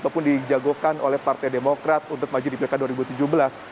ataupun dijagokan oleh partai demokrat untuk maju di pilkada dua ribu tujuh belas